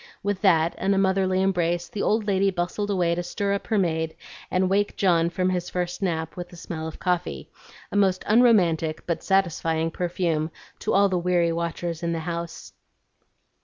With that and a motherly embrace, the old lady bustled away to stir up her maid and wake John from his first nap with the smell of coffee, a most unromantic but satisfying perfume to all the weary watchers in the house.